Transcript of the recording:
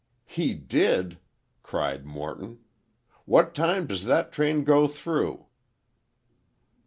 "He did!" cried Morton, "what time does that train go through?"